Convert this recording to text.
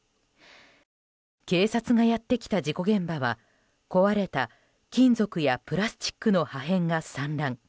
警察がやってきた事故現場は壊れた金属やプラスチックの破片が散乱。